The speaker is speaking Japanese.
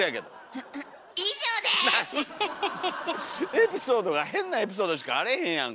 エピソードが変なエピソードしかあれへんやんか。